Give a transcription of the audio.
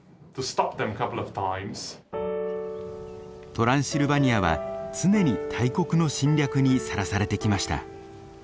トランシルバニアは常に大国の侵略にさらされてきました。